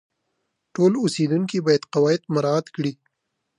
ټول اوسیدونکي باید قواعد مراعات کړي.